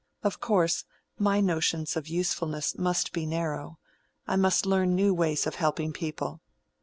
Of course, my notions of usefulness must be narrow. I must learn new ways of helping people."